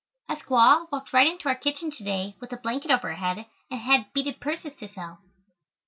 A squaw walked right into our kitchen to day with a blanket over her head and had beaded purses to sell.